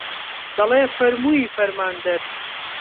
دەڵێ فەرمووی فەرماندەر